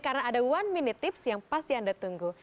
karena ada one minute tips yang pasti anda tunggu